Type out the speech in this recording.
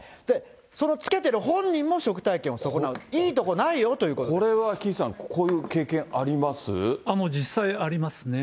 そのつけてる本人も食体験を損なう、いいところないよということこれは岸さん、こういう経験実際ありますね。